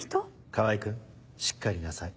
川合君しっかりなさい